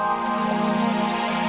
atau dia untuk saya